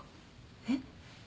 えっ？